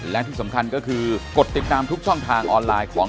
วันนี้ขอบคุณสำหรับข้อมูลนะครับ